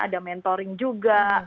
ada mentoring juga